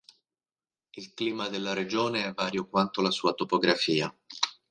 Il clima della regione è vario quanto la sua topografia.